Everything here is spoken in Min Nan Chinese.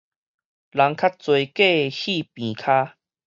人較濟過戲棚跤